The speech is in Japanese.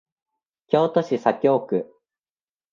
京都市左京区